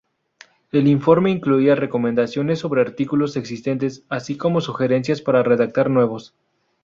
El informe incluía recomendaciones sobre artículos existentes así como sugerencias para redactar nuevos.